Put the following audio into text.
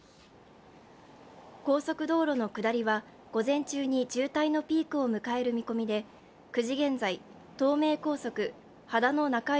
高速道路の下りは午前中に渋滞のピークを迎える見込みで９時現在、東名高速秦野中井